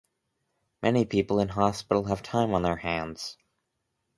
Many people in hospitals have time on their hands.